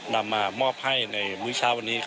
นำมามอบให้ในมื้อเช้าวันนี้